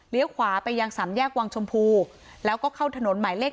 ขวาไปยังสามแยกวังชมพูแล้วก็เข้าถนนหมายเลข